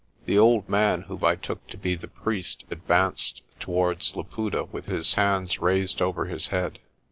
The old man whom I took to be the priest advanced to wards Laputa with his hands raised over his head.